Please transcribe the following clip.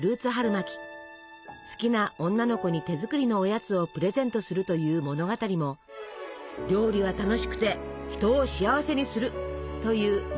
好きな女の子に手作りのおやつをプレゼントするという物語も「料理は楽しくて人を幸せにする」というメッセージの表れ。